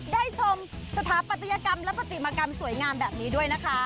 ได้ชมสถาปัตยกรรมและปฏิมากรรมสวยงามแบบนี้ด้วยนะคะ